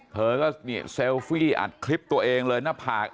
เธอก็เซลฟี่อัดคลิปตัวเองเลยหน้าผาก